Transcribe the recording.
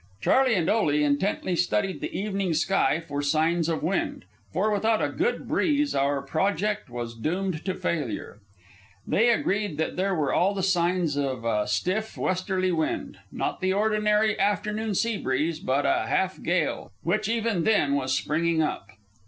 Charley and Ole intently studied the evening sky for signs of wind, for without a good breeze our project was doomed to failure. They agreed that there were all the signs of a stiff westerly wind not the ordinary afternoon sea breeze, but a half gale, which even then was springing up.